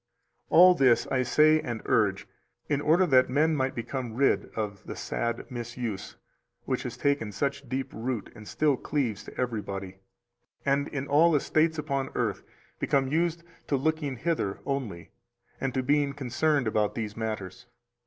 317 All this I say and urge in order that men might become rid of the sad misuse which has taken such deep root and still cleaves to everybody, and in all estates upon earth become used to looking hither only, and to being concerned about these matters.